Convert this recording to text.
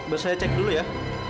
bersarian cek dulu ya